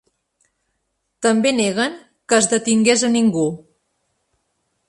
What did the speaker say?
També neguen que es detingués a ningú.